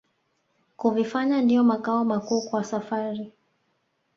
Kuvifanya ndiyo makao makuu kwa safari